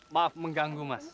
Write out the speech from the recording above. maaf mengganggu mas